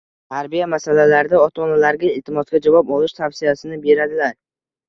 tarbiya masalalarida ota-onalarga iltimosga javob olish tavsiyasini beradilar.